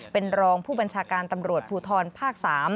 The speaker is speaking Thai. เป็นรองผู้บัญชาการตำรวจภูทรภาค๓